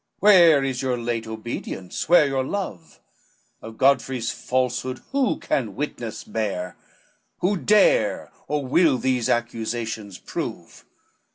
Where is your late obedience? where your love? Of Godfrey's falsehood who can witness bear? Who dare or will these accusations prove?